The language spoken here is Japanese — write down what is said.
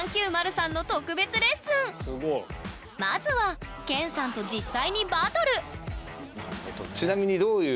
まずはＫＥＮさんと実際にバトル！